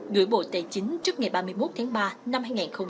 gửi bộ tài chính trước ngày ba mươi một tháng ba năm hai nghìn hai mươi